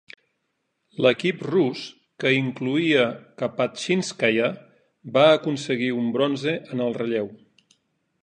L'equip rus, que incloïa Kapatxínskaia, va aconseguir un bronze en el relleu.